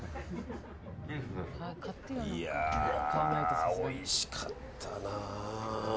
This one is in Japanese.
いやあ、おいしかったな。